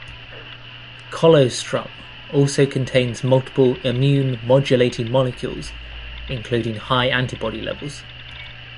Colostrum also contains multiple immune modulating molecules, including high antibody levels.